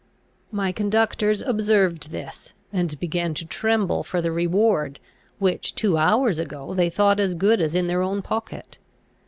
My conductors observed this, and began to tremble for the reward, which, two hours ago, they thought as good as in their own pocket.